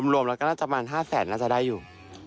รวมแล้วก็น่าจำกัน๕แสนน่าจะได้อยู่